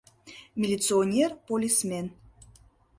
Милиционер — полисмен.